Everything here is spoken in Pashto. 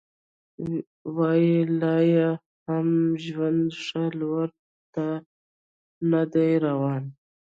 وايي لا یې هم ژوند ښه لوري ته نه دی روان